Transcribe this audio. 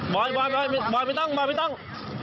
บอยไม่ต้อง